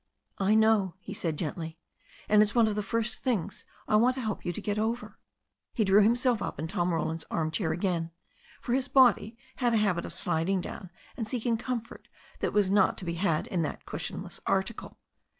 "I know," he said gently, "and it's one of the first things I want to help you to get over." He drew himself up in Tom Roland's arm chair again, for his body had a habit of sliding down and seeking com fort that was not to be had in that cushionless article.